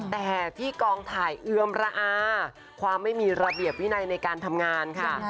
แต่ที่กองถ่ายเอือมระอาความไม่มีระเบียบวินัยในการทำงานค่ะ